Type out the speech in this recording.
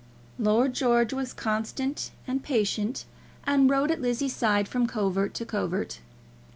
Lord George was constant and patient, and rode at Lizzie's side from covert to covert.